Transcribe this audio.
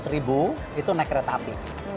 rp lima belas itu naik kereta api